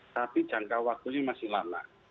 tapi jangka waktunya masih lama